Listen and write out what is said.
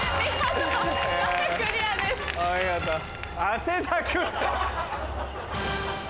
汗だく！